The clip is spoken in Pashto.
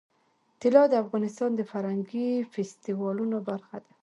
طلا د افغانستان د فرهنګي فستیوالونو برخه ده.